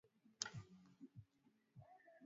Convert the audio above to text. ni aliyekuwa waziri wa mazingira na watanzania huyo